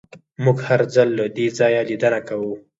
موږ هر ځل له دې ځایه لیدنه کوو